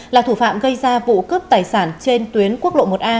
là thủ phạm gây ra vụ cướp tài sản trên tuyến quốc lộ một a